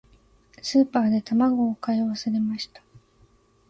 スーパーで卵を買い忘れました。